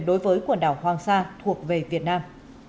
đối với quần đảo hoàng sa thuộc về việt nam